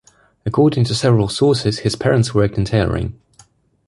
According to several sources his parents worked in tailoring.